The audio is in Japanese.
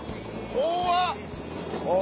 怖っ！